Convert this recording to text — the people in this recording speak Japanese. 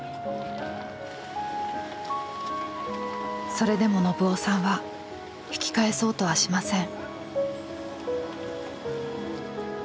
それでも信男さんは引き返そうとはしません。